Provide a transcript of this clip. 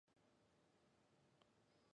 いつか犬を飼いたい。